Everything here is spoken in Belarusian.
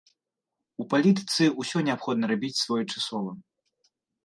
У палітыцы ўсё неабходна рабіць своечасова.